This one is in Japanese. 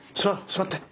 座って。